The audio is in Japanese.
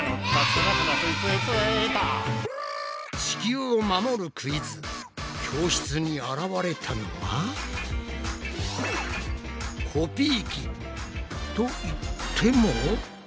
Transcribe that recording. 地球を守るクイズ教室に現れたのは？といっても。